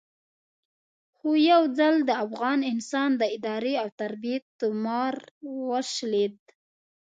خو یو ځل د افغان انسان د ادارې او تربیې تومار وشلېد.